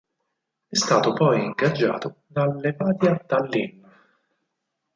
È stato poi ingaggiato dal Levadia Tallinn.